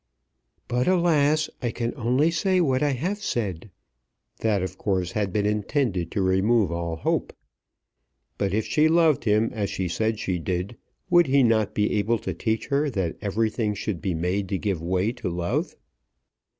"But alas! I can only say what I have said." That of course had been intended to remove all hope. But if she loved him as she said she did, would he not be able to teach her that everything should be made to give way to love?